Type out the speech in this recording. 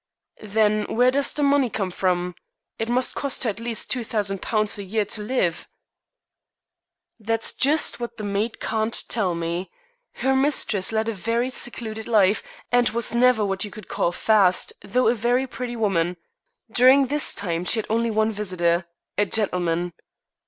"Then where does the money come from? It must cost her at least £2,000 a year to live." "That's just what the maid can't tell me. Her mistress led a very secluded life, and was never what you could call fast, though a very pretty woman. During this time she had only one visitor a gentleman."